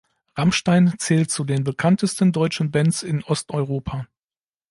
Rammstein zählt zu den bekanntesten deutschen Bands in Osteuropa.